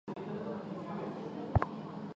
现在称为警察大厦公寓。